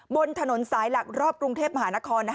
บนถนนสายหลักรอบกรุงเทพมหานคร